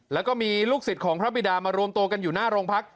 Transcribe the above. แล้วก็มีลูกศิษย์ของพระบิดามารวมตัวกันอยู่หน้าโรงพัก